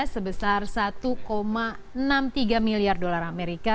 sebesar satu enam puluh tiga miliar dolar amerika